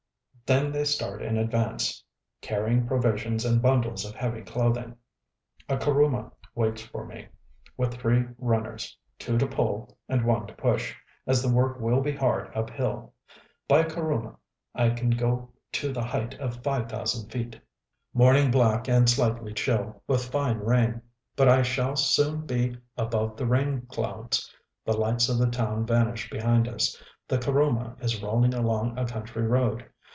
Then they start in advance, carrying provisions and bundles of heavy clothing.... A kuruma waits for me, with three runners, two to pull, and one to push, as the work will be hard uphill. By kuruma I can go to the height of five thousand feet. Morning black and slightly chill, with fine rain; but I shall soon be above the rain clouds.... The lights of the town vanish behind us; the kuruma is rolling along a country road.